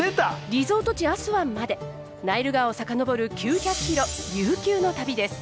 リゾート地アスワンまでナイル川を遡る９００キロ悠久の旅です。